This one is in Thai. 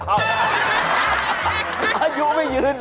อาจอยู่ไม่ยืน